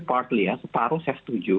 partly ya separuh saya setuju